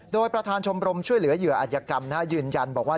โดยประธานชมรมช่วยเหลือเหยื่ออัธยกรรมยืนยันบอกว่า